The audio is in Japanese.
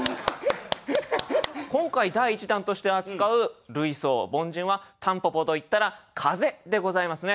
今回第１弾として扱う類想凡人は蒲公英といったら「風」でございますね。